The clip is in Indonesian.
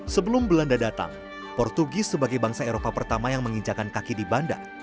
sebelum belanda datang portugis sebagai bangsa eropa pertama yang menginjakan kaki di banda